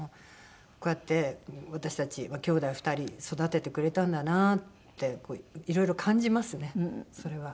こうやって私たちきょうだい２人育ててくれたんだなっていろいろ感じますねそれは。